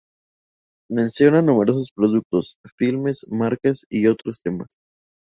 Menciona numerosos productos, filmes, marcas, y otros temas.